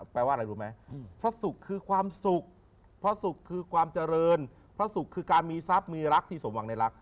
แปลว่าอะไรรู้ไหมพระสุขคือความสุขพระศุกร์คือความเจริญพระศุกร์คือการมีทรัพย์มีรักที่สมหวังในรัก